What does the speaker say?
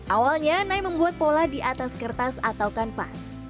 awalnya nais membuat pola di atas kertas atau kanvas